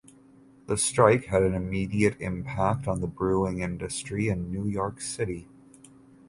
The strike had an immediate impact on the brewing industry in New York City.